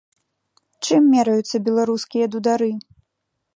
Чым мераюцца беларускія дудары?